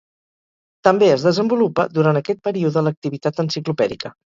També es desenvolupa durant aquest període l'activitat enciclopèdica.